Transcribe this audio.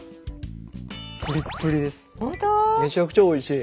めちゃくちゃおいしい。